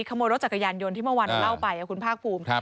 ขโมยรถจักรยานยนต์ที่เมื่อวานเราเล่าไปคุณภาคภูมิ